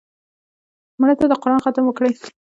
مړه ته د قرآن ختم وکړې